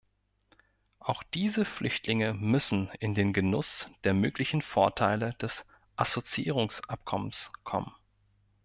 Auch diese Flüchtlinge müssen in den Genuss der möglichen Vorteile des Assoziierungsabkommens kommen.